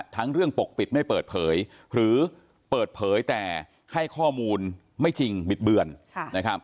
ทั้งเรื่องปกปิดไม่เปิดเผยหรือเปิดเผยแต่ให้ข้อมูลไม่จริงบิดเบือนนะครับ